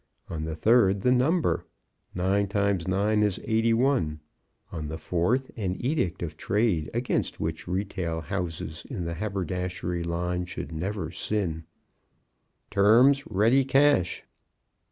On the third the number, Nine times nine is eighty one. On the fourth, an edict of trade against which retail houses in the haberdashery line should never sin, "Terms: Ready cash."